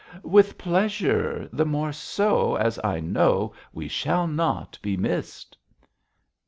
'With pleasure; the more so, as I know we shall not be missed.'